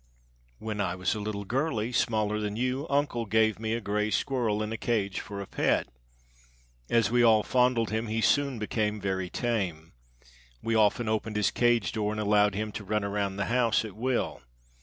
"When I was a little girlie, smaller than you, uncle gave me a gray squirrel in a cage for a pet. As we all fondled him he soon became very tame. We often opened his cage door and allowed him to run around the house at will.